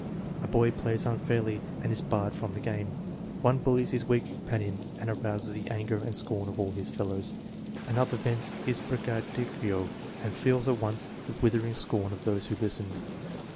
A boy plays unfairly and is barred from the game. One bullies his weaker companion and arouses the anger and scorn of all his fellows. Another vents his braggadocio and feels at once the withering scorn of those who listen.